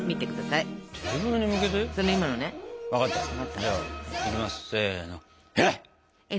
いきますせの！